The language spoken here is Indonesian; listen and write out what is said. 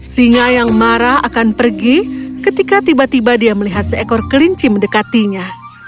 singa yang marah akan pergi ketika tiba tiba dia melihat seekor kelinci mendekatinya